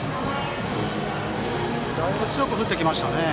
だいぶ強く雨が降ってきましたね。